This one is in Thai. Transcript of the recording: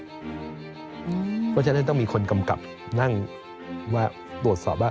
เพราะฉะนั้นต้องมีคนกำกับนั่งว่าตรวจสอบว่า